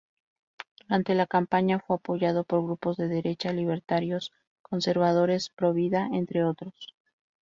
Durante la campaña fue apoyado por grupos de derecha, libertarios, conservadores, provida, entre otros.